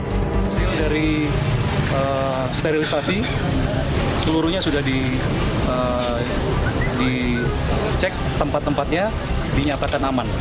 hasil dari sterilisasi seluruhnya sudah dicek tempat tempatnya dinyatakan aman